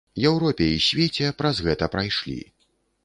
Еўропе і свеце праз гэта прайшлі.